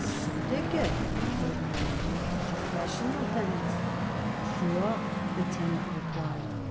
"Syndicate?" Abe murmured. "Professional tenants?" "Sure," the tenant replied.